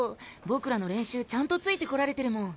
僕らの練習ちゃんとついてこられてるもん。